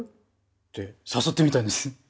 って誘ってみたんです。